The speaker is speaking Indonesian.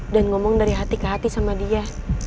dan ngomong dari hati ke hati sama dia